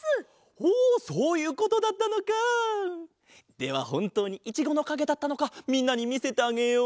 ではほんとうにいちごのかげだったのかみんなにみせてあげよう。